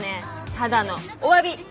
ただのおわび！